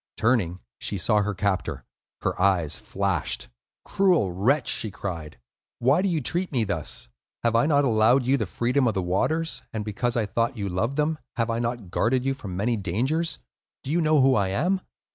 Turning, she saw her captor; her eyes flashed. "Cruel wretch!" she cried. "Why do you treat me thus? Have I not allowed you the freedom of the waters, and because I thought that you loved them, have I not guarded you from many dangers? Do you know who I am?"